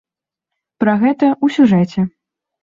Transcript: Пра гэта ў сюжэце.